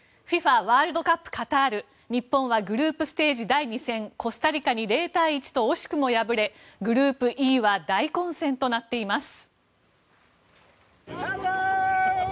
ＦＩＦＡワールドカップカタール日本はグループステージ第２戦コスタリカに０対１と惜しくも敗れグループＥは大混戦となっています。